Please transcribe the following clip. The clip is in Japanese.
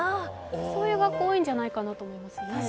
そういう学校多いんじゃないかと思います。